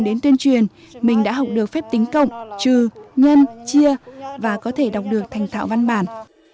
đến tuyên truyền mình đã học được phép tính cộng trừ nhân chia và có thể đọc được thành thạo văn bản